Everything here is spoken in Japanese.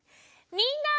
みんな！